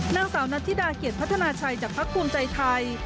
นางสาวนัทธิดาเกียรติพัฒนาชัยจากพักภูมิใจไทย